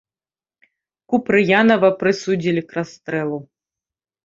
Купрыянава прысудзілі к расстрэлу.